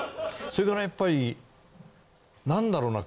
それからやっぱりなんだろうな。